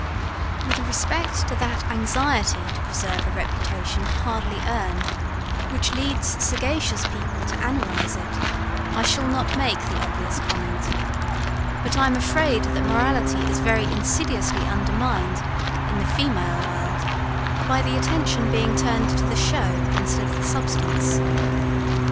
With respect to that anxiety to preserve a reputation hardly earned, which leads sagacious people to analyze it, I shall not make the obvious comment; but I am afraid that morality is very insidiously undermined, in the female world, by the attention being turned to the show instead of the substance.